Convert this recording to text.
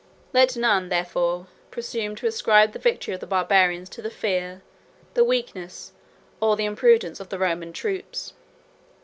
Let none, therefore, presume to ascribe the victory of the Barbarians to the fear, the weakness, or the imprudence, of the Roman troops.